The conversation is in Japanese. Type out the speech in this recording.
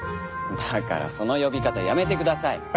だからその呼び方やめてください。